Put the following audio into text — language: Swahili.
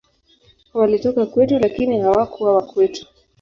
Walitoka kwetu, lakini hawakuwa wa kwetu.